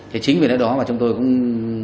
chính vì thế đó mà chúng tôi cũng